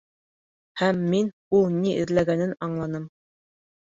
Һәм мин ул ни эҙләгәнен аңланым.